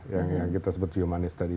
humanis lah yang kita sebut humanis tadi